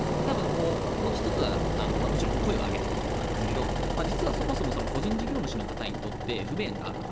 もう１つは声を上げていくことなんですが実はそもそも個人事業主の方にとって不便があると。